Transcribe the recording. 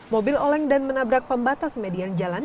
mobil oleng dan menabrak pembatas median jalan